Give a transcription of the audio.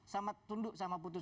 sama tunduk sama putusan